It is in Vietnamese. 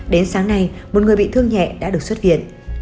đến sáng nay một người bị thương nhẹ đã được xuất viện